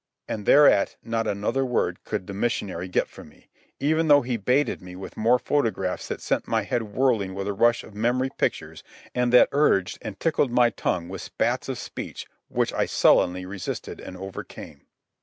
And thereat not another word could the missionary get from me, even though he baited me with more photographs that sent my head whirling with a rush of memory pictures and that urged and tickled my tongue with spates of speech which I sullenly resisted and overcame.